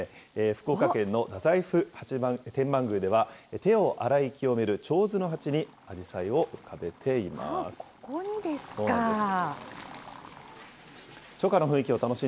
福岡県の太宰府天満宮では、手を洗い清めるちょうずの鉢にアジサイを浮かべています。